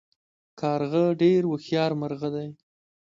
کارغه ډیر هوښیار مرغه دی